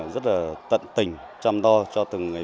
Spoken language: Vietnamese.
rất là tận tình